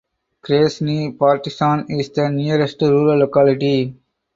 Krasny Partizan is the nearest rural locality.